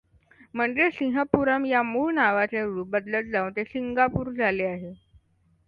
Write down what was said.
म्हणजेच सिंहपुरम या मूळ नावाचे रूप बदलत जाऊन ते सिंगापूर झाले आहे.